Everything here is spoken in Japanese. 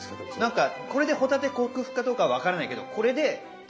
何かこれで帆立て克服かどうかは分からないけどこれで食べられる。